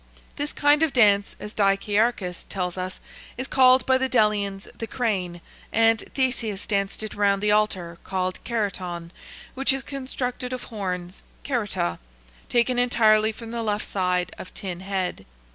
This kind of dance, as Dicaearchus tells us, is called by the Delians The Crane, and Theseus danced it round the altar called Keraton, which is constructed of horns ("kerata'') taken entirely from the left side of the head.